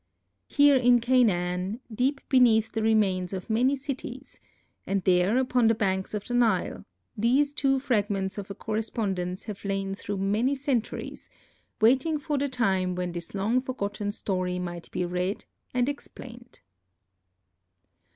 Here in Canaan, deep beneath the remains of many cities, and there upon the banks of the Nile, these two fragments of a correspondence have lain through many centuries, waiting the time when this long forgotten story might be read and explained.